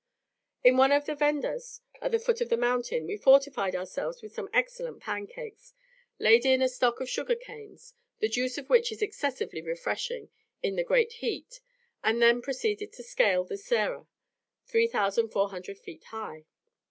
In one of the vendas at the foot of the mountain we fortified ourselves with some excellent pan cakes, laid in a stock of sugar canes, the juice of which is excessively refreshing in the great heat, and then proceeded to scale the Serra, 3,400 feet high.